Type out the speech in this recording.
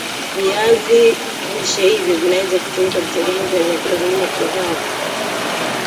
viazi lishe hivyo vinaweza kutumika kutengeneza vyakula vingine kadha wa kadha